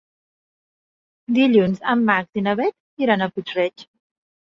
Dilluns en Max i na Bet iran a Puig-reig.